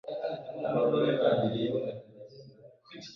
bugemije guumunsimire icy cyorezo